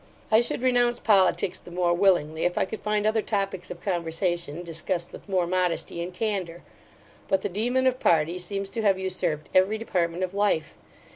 I should renounce politics the more willingly, if I could find other topics of conversation discussed with more modesty and candour; but the daemon of party seems to have usurped every department of life.